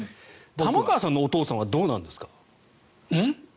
玉川さんのお父さんはどうなんですか？